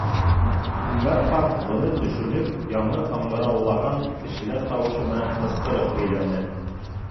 Үмәр ҡарт быны төшөнөп, яңы һаңғырауланған кешеләр тауышы менән ҡысҡырып һөйләне.